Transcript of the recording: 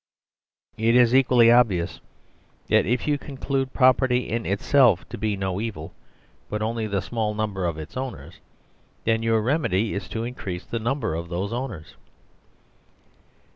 It is equally obvious that if you conclude property in itself to be no evil but only the small number of its owners, then your remedy is to increase the number of those owners.